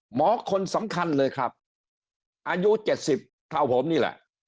หมอคนสำคัญเลยครับอายุ๗๐เท่าผมนี่แหละ